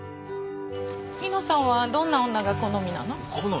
猪之さんはどんな女が好みなの？